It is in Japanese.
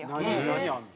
何あるの？